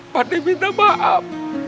pak adek minta maaf